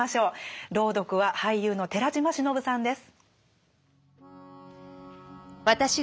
朗読は俳優の寺島しのぶさんです。